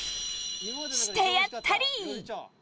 してやったり！